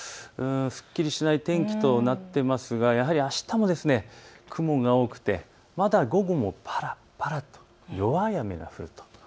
すっきりしない天気となっていますがやはりあしたも雲が多くてまだ午後もぱらぱらと弱い雨が降ると。